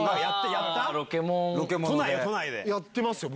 やってますよ